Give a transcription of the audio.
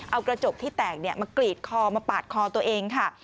เอากระจกที่แตกมากรีดคอมาปาดคอตัวเองค่ะ